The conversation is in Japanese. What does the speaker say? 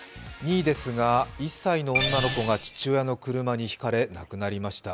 ２位ですが、１歳の女の子が父親の車にひかれ、亡くなりました。